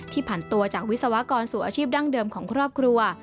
ผ่านตัวจากวิศวกรสู่อาชีพดั้งเดิมของครอบครัว